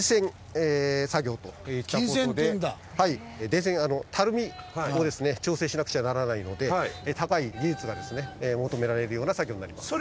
電線たるみをですね調整しなくちゃならないので高い技術がですね求められるような作業になります。